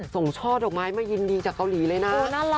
ช่อดอกไม้มายินดีจากเกาหลีเลยนะ